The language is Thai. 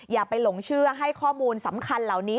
อย่าไปหลงเชื่อให้ข้อมูลสำคัญเหล่านี้